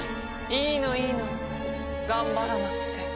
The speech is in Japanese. いいのいいの頑張らなくて。